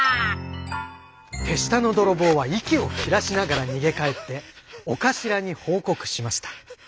手下の泥棒は息を切らしながら逃げ帰ってお頭に報告しました。